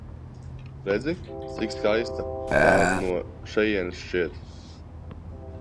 Redzi, cik skaista tā no šejienes šķiet?